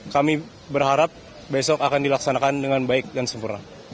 kami berharap besok akan dilaksanakan dengan baik dan sempurna